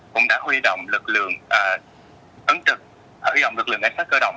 cũng đã huy động lực lượng ấn trực huy động lực lượng cảnh sát cơ động